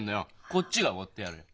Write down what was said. こっちがおごってやるよ。